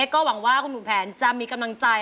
ก็หวังว่าคุณป้านจะมีกำลังใจ